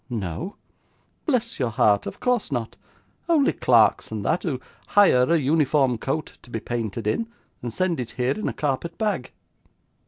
'No!' 'Bless your heart, of course not; only clerks and that, who hire a uniform coat to be painted in, and send it here in a carpet bag.